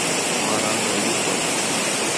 Waranka yupay